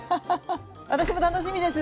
私も楽しみです。